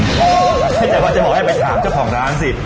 พยายามมาไม่เจาะเดี๋ยวจะหอหายไปถามเจ้าของร้านสิ